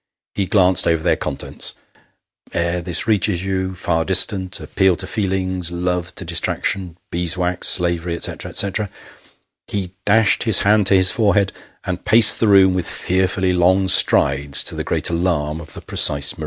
He glanced over their contents " Ere this reaches you, far distant appeal to feelings love to distraction bees' wax slavery," &c., &c. He dashed his hand to his forehead, and paced the room with fearfully long strides, to the great alarm of the precise Maria.